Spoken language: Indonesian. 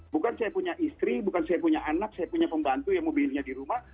bukan saya punya istri bukan saya punya anak saya punya pembantu yang memilihnya di rumah